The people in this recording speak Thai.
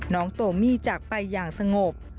น้องโตมี่จากไปอย่างสงบ